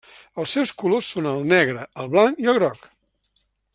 Els seus colors són el negre, el blanc i el groc.